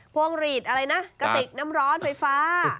วงหลีดอะไรนะกระติกน้ำร้อนไฟฟ้า